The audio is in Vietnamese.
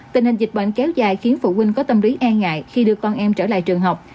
tình hình dịch bệnh kéo dài khiến phụ huynh có tâm lý e ngại khi đưa con em trở lại trường học